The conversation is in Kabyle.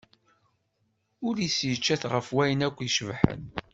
Ul-is yeččat ɣef wayen akk icebḥen.